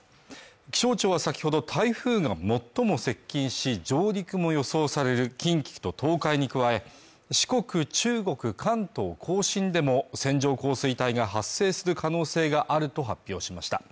気象庁は先ほど台風が最も接近し上陸も予想される近畿と東海に加え四国、中国、関東甲信でも線状降水帯が発生する可能性があると発表しました